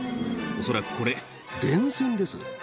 恐らくこれ、電線です。